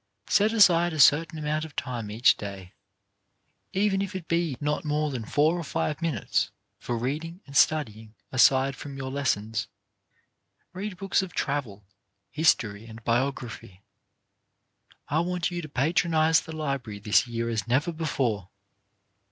Set aside a certain amount of time each day, even if it be not more than four or five minutes, for reading and studying aside from your lessons. Read books of travel, history and biography. I want you to patronize the library this year as never before.